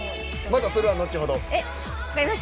またそれは後ほど。